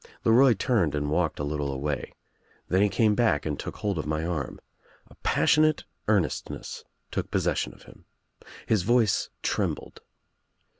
LeRoy turned and walked a little away. Then he came back and took hold of my arm. A passionate earnestness took possession of him. His voice I trembled.